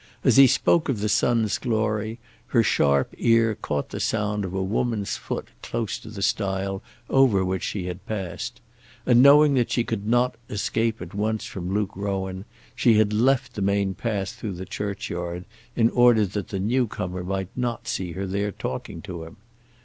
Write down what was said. As he spoke of the sun's glory her sharp ear caught the sound of a woman's foot close to the stile over which she had passed, and knowing that she could not escape at once from Luke Rowan, she had left the main path through the churchyard, in order that the new comer might not see her there talking to him.